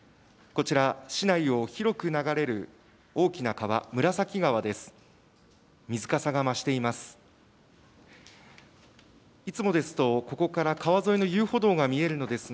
こちら、市内を広く流れる大きな川、紫川です。